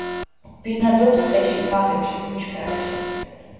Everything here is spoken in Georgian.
ბინადრობს ტყეში, ბაღებში, ბუჩქნარებში.